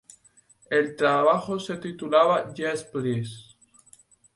El trabajo se titulaba "Yes, Please!